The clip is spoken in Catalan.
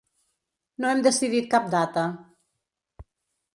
No hem decidit cap data.